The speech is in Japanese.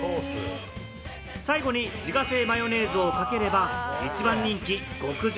最後に自家製マヨネーズをかければ、一番人気、極上！